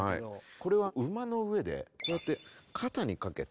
これは馬の上でこうやって肩に掛けて。